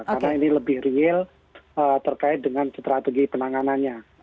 karena ini lebih real terkait dengan strategi penanganannya